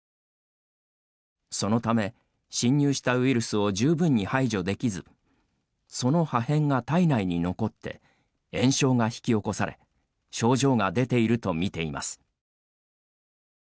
そのため、侵入したウイルスを十分に排除できず、その破片が体内に残って炎症が引き起こされ症状が出ているとみています。